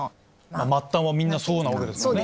末端はみんなそうなわけですもんね。